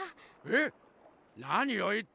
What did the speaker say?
えっ！？